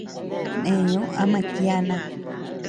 Neñu ama kiana.